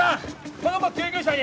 この子を救急車に！